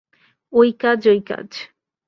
ঐ কাজ, ঐ কাজ।